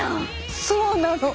そうなの。